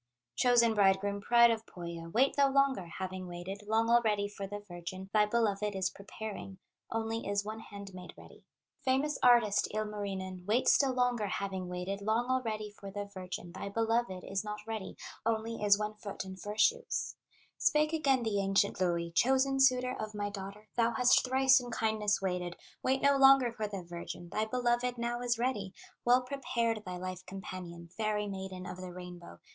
"Chosen bridegroom, pride of Pohya, Wait thou longer, having waited Long already for the virgin, Thy beloved is preparing, Only is one hand made ready. "Famous artist, Ilmarinen, Wait still longer, having waited Long already for the virgin, Thy beloved is not ready, Only is one foot in fur shoes," Spake again the ancient Louhi: "Chosen suitor of my daughter, Thou hast thrice in kindness waited, Wait no longer for the virgin, Thy beloved now is ready, Well prepared thy life companion, Fairy Maiden of the Rainbow.